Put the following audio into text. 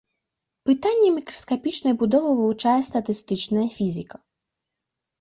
Пытанні мікраскапічнай будовы вывучае статыстычная фізіка.